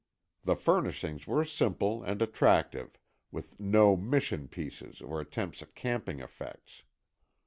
The furnishings were simple and attractive, with no "Mission" pieces or attempts at camping effects.